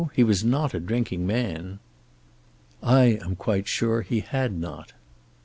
He was not a drinking man." "I am quite sure he had not."